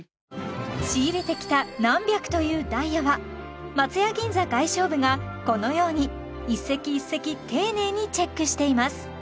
仕入れてきた何百というダイヤは松屋銀座外商部がこのように一石一石丁寧にチェックしています